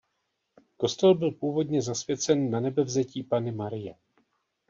Kostel byl původně zasvěcen Nanebevzetí Panny Marie.